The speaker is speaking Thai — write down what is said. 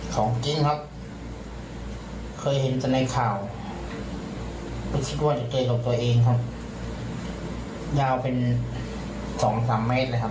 ของจริงครับเคยเห็นจนในข่าวปกคริกว่าจะได้กับตัวเองครับยาวเป็น๒๓เมตรแล้วครับ